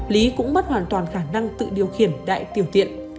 lý cũng mất hoàn toàn khả năng tự điều khiển đại tiểu tiện